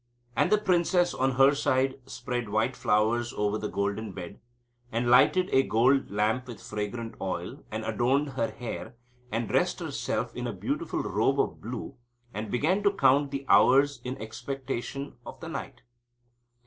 And the princess, on her side, spread white flowers over the golden bed, and lighted a gold lamp with fragrant oil, and adorned her hair, and dressed herself in a beautiful robe of blue, and began to count the hours in expectation of the night.